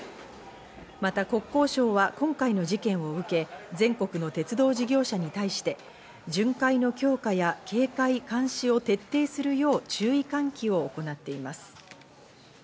また、国交省は今回の事件を受け、全国の鉄道事業者に対して巡回の強化や警戒監視を徹底するよう注意喚起を行っています。